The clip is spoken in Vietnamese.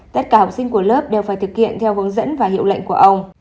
tất cả học sinh của lớp đều phải thực hiện theo hướng dẫn và hiệu lệnh của ông